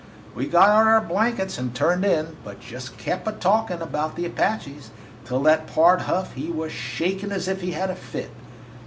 "We got out our blankets and turned in, but just kep' a talkin' about the Apaches till that Pard Huff, he was shakin' as if he had a fit.